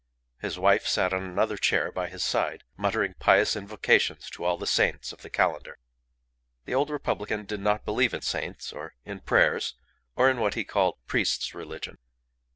His wife sat on another chair by his side, muttering pious invocations to all the saints of the calendar. The old republican did not believe in saints, or in prayers, or in what he called "priest's religion."